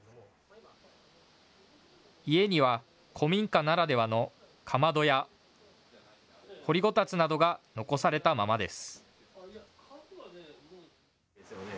家には古民家ならではのかまどや掘りごたつなどが残されたままです。